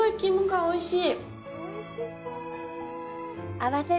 おいしい！